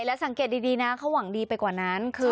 แล้วสังเกตดีนะเขาหวังดีไปกว่านั้นคือ